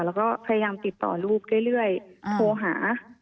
แล้วก็พยายามติดต่อลูกเรื่อยโทรหา